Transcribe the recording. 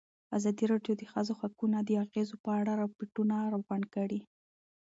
ازادي راډیو د د ښځو حقونه د اغېزو په اړه ریپوټونه راغونډ کړي.